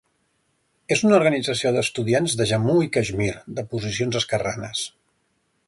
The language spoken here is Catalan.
És una organització d'estudiants de Jammu i Caixmir, de posicions esquerranes.